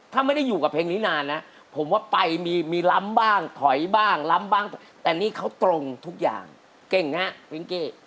ถ้าไม่ได้อยู่กับเพลงนี้นานนะผมว่าไปมีล้ำบ้างถอยบ้างล้ำบ้างแต่นี่เขาตรงทุกอย่างเก่งฮะวิ้งกี้